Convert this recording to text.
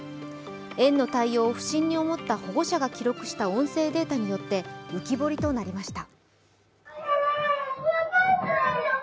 園の対応を不審に思った保護者が記録した音声データによって浮き彫りとなりました。